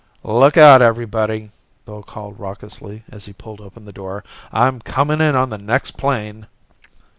"Look out, everybody!" Bill called raucously, as he pulled open the door. "I'm coming in on the next plane!"